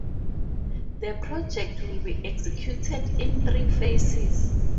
The project will be executed in three phases.